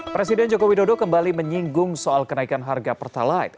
presiden jokowi dodo kembali menyinggung soal kenaikan harga pertalite